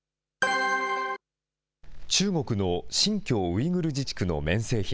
中国の新疆ウイグル自治区の綿製品。